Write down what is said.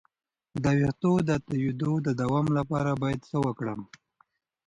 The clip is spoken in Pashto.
د ویښتو د تویدو د دوام لپاره باید څه وکړم؟